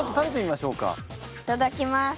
いただきます。